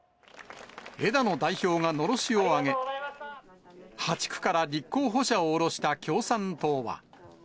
枝野代表がのろしを上げ、８区から立候補者を下ろした共産党は。